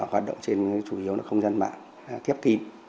hoạt động trên chủ yếu là không gian mạng kép kín